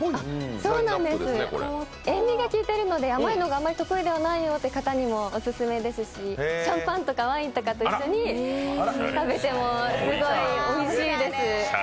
塩味が効いているので甘いのがあんまり得意じゃないよという方にもオススメですし、シャンパンとかワインとかと一緒に食べてもすごいおいしいです。